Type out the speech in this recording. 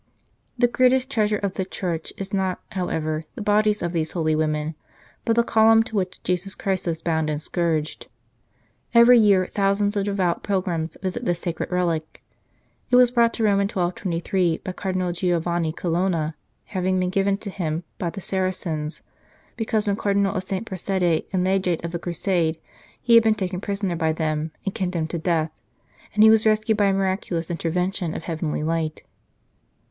The greatest treasure of the church is not, how ever, the bodies of these holy women, but the column to which Jesus Christ was bound and scourged. Every year thousands of devout pilgrims visit this sacred relic. It was brought to Rome in 1223 by Cardinal Giovanni Colonna, having been 32 The Church of Peace given to him by the Saracens, because when Car dinal of St. Prassede and Legate of the Crusade he had been taken prisoner by them and condemned to death, and he was rescued by a miraculous inter vention of heavenly light.